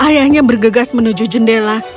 ayahnya bergegas menuju jendela